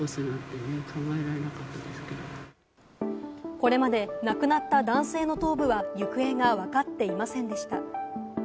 これまで亡くなった男性の頭部は、行方がわかっていませんでした。